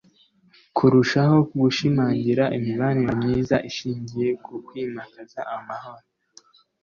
Kurushaho gushimangira imibanire myiza ishingiye ku kwimakaza amahoro